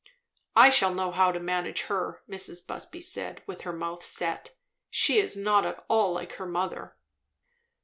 "I shall know how to manage her," Mrs. Busby said, with her mouth set. "She is not at all like her mother."